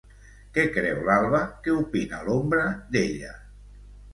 Què creu l'Alba que opina l'ombra d'ella?